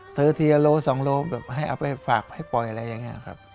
ทีละโล๒โลแบบให้เอาไปฝากให้ปล่อยอะไรอย่างนี้ครับ